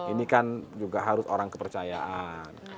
ini kan juga harus orang kepercayaan